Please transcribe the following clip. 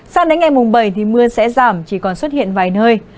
sau đến ngày bảy mưa sẽ giảm chỉ còn xuất hiện vài nơi